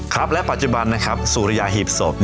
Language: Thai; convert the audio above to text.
ครับและปัจจุบันนะครับสุริยาหีบศพ